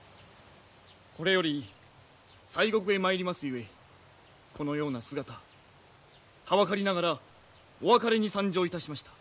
これより西国へ参りますゆえこのような姿はばかりながらお別れに参上いたしました。